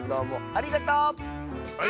ありがとう！